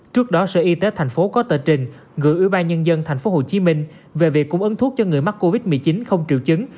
trước đó sở y tế tp hcm có tờ trình gửi ủy ban nhân dân tp hcm về việc cung ứng thuốc cho người mắc covid một mươi chín không triệu chứng